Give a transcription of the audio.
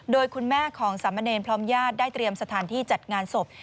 โดยคุณแม่ของสามเณรพร้อมญาติได้เตรียมสถานที่จัดงานศพ